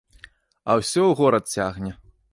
А ўсё ў горад цягне.